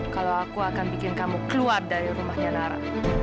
kalau aku akan bikin kamu keluar dari rumahnya nara